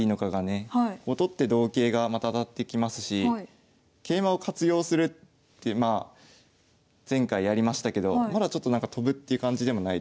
取って同桂がまた当たってきますし桂馬を活用するってまあ前回やりましたけどまだちょっとなんか跳ぶっていう感じでもないですからね。